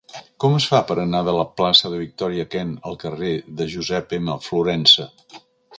Com es fa per anar de la plaça de Victòria Kent al carrer de Josep M. Florensa?